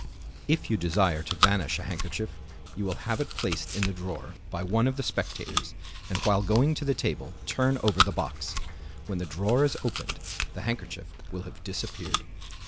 If you desire to vanish a handkerchief you will have it placed in the drawer by one of the spectators, and while going to the table turn over the box. When the drawer is opened the handkerchief will have disappeared.